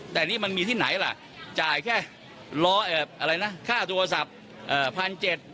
แต่นี่มันมีที่ไหนล่ะจ่ายแค่ค่าโทรศัพท์พันเจ็ด